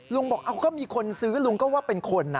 ลุงบอกก็มีคนซื้อลุงก็ว่าเป็นคนนะ